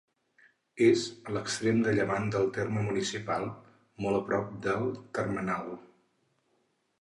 És a l'extrem de llevant del terme municipal, molt a prop del termenal.